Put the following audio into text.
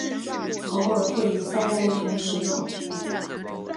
偶尔会与塞外一同使用。